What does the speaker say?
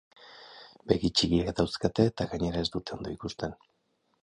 Begi txikiak dauzkate eta gainera ez dute ondo ikusten.